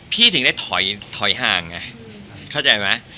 พี่ถึงได้ถอยห่างอ่ะเข้าใจไหม